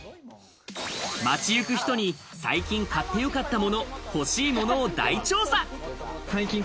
街ゆく人に最近買ってよかったもの、欲しいものを大調査！